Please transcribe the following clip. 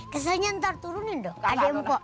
keselnya ntar turunin dong adek mpok